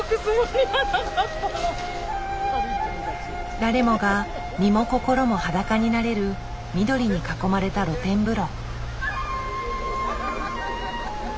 誰もが身も心も裸になれる緑に囲まれた露天風呂。